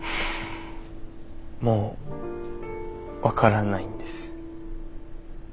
もう分からないんです。